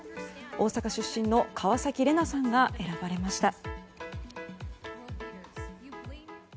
大阪出身の川崎レナさんが選ばれました。